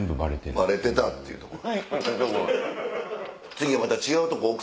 バレてたっていうところ。